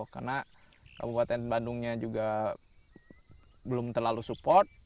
karena kabupaten bandungnya juga belum terlalu support